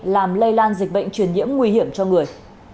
làm lây lan dịch bệnh truyền nhiễm nguy hiểm cho người